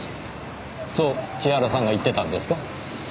そう千原さんが言ってたんですか？